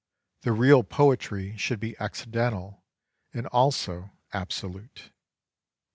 The real poetry should be accidental and also absolute.